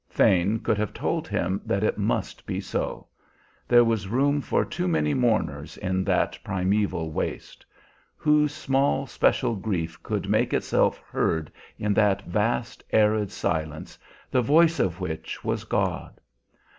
Thane could have told him that it must be so. There was room for too many mourners in that primeval waste. Whose small special grief could make itself heard in that vast arid silence, the voice of which was God?